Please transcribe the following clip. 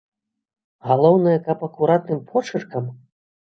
Галоўнае, каб акуратным почыркам?!